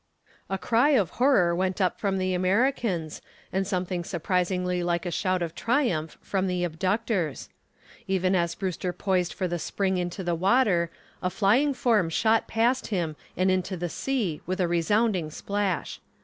A cry of horror went up from the Americans, and something surprisingly like a shout of triumph from the abductors. Even as Brewster poised for the spring into the water a flying form shot past him and into the sea with a resounding splash.